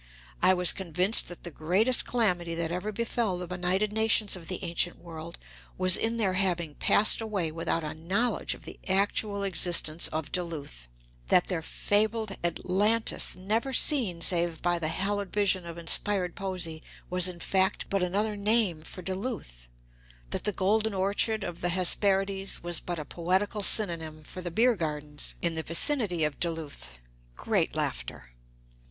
I was convinced that the greatest calamity that ever befell the benighted nations of the ancient world was in their having passed away without a knowledge of the actual existence of Duluth; that their fabled Atlantis, never seen save by the hallowed vision of inspired poesy, was, in fact, but another name for Duluth; that the golden orchard of the Hesperides was but a poetical synonym for the beer gardens in the vicinity of Duluth. (Great laughter.)